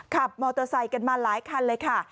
ขับมอเตอร์ไซค์กันมาหลายคันเลยค่ะ